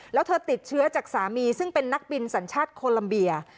แล้วเธอติดเชื้อจากสามีซึ่งเป็นนักบินสัญชาติโคลัมเบีย